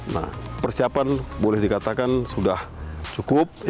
nah persiapan boleh dikatakan sudah cukup